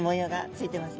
ついてます